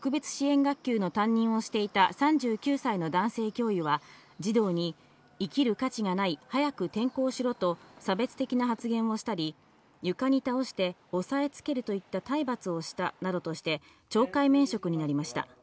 姫路市立の小学校で特別支援学級の担任をしていた３９歳の男性教諭は、児童に、生きる価値がない、早く転校しろなどと差別的発言をしたり、床に倒して押さえつけるなどの体罰をしたなどとして懲戒免職になりました。